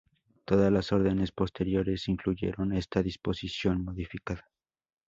Todas las órdenes posteriores incluyeron esta disposición modificada.